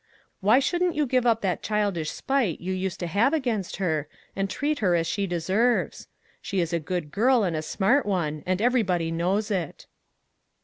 Why shouldn't you give up that childish spite you used to have against her, and treat her as she deserves ? She is a good girl and a smart one, and everybody knows it."